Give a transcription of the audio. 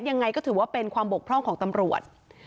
ยังไงก็ถือว่าเป็นความบกพร่องของตำรวจ